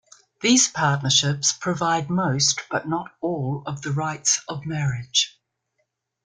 These partnerships provide most but not all of the rights of marriage.